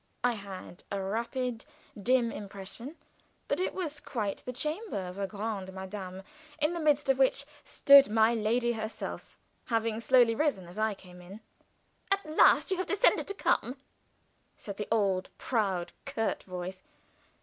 I had a rapid, dim impression that it was quite the chamber of a grande dame, in the midst of which stood my lady herself, having slowly risen as I came in. "At last you have condescended to come," said the old proud, curt voice.